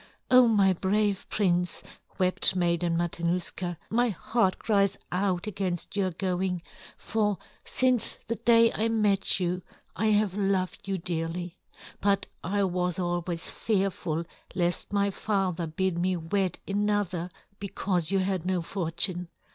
"Oh, my brave prince," wept Maiden Matanuska, "my heart cries out against your going, for since the day I met you I have loved you dearly; but I was always fearful lest my father bid me wed another because you had no fortune.